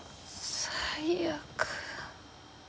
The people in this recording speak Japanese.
最悪。